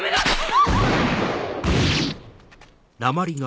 あっ！